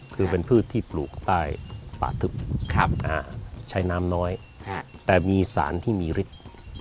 คือเป็นพืชที่ปลูกใต้ป่าทึบใช้น้ำน้อยแต่มีสารที่มีฤทธิ์